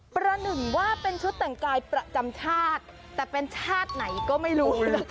ประหนึ่งว่าเป็นชุดแต่งกายประจำชาติแต่เป็นชาติไหนก็ไม่รู้